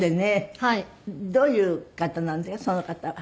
どういう方なんでその方は。